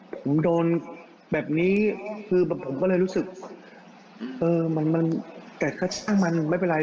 ผมโดนแบบนี้คือผมก็เลยรู้สึกเตะทึ่งต้าวมันไม่เป็นไร